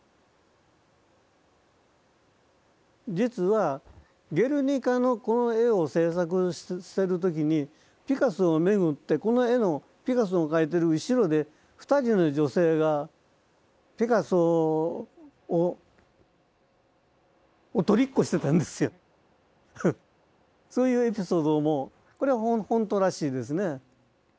実は「ゲルニカ」のこの絵を制作してる時にピカソをめぐってこの絵のピカソが描いてる後ろで２人の女性がピカソをとりっこしてたんですよ。そういうエピソードもこれはほんとらしいですね。